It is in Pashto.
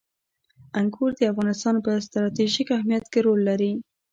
انګور د افغانستان په ستراتیژیک اهمیت کې رول لري.